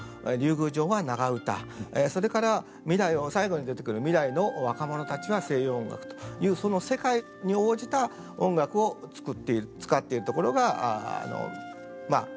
宮城は長唄それから未来を最後に出てくる未来の若者たちは西洋音楽というその世界に応じた音楽を使っているところが眼目なんです。